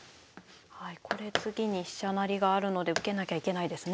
これ次に飛車成りがあるので受けなきゃいけないですね。